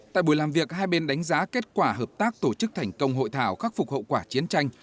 tại buổi làm việc hai bên đánh giá kết quả hợp tác tổ chức thành công hội thảo khắc phục hậu quả chiến tranh